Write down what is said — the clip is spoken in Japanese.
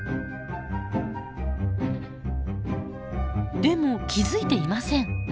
でも気付いていません。